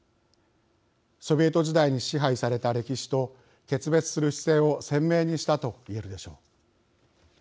ソビエト時代に支配された歴史と決別する姿勢を鮮明にしたと言えるでしょう。